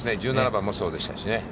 １７番もそうでしたしね。